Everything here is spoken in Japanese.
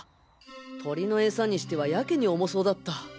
鳥のエサにしてはやけに重そうだった。